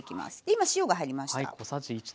今塩が入りました。